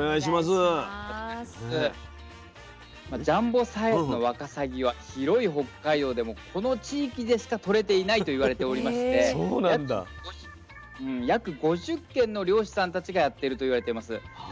ジャンボサイズのわかさぎは広い北海道でもこの地域でしかとれていないといわれておりまして約５０軒の漁師さんたちがやってるといわれています。